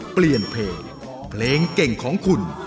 เปลี่ยนเพลงเพลงเก่งของคุณ